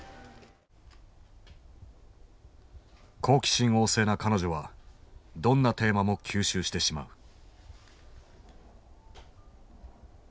好奇心旺盛な彼女はどんなテーマも吸収してしまう。